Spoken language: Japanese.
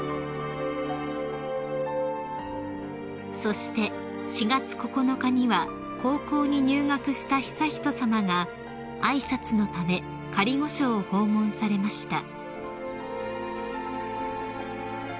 ［そして４月９日には高校に入学した悠仁さまが挨拶のため仮御所を訪問されました］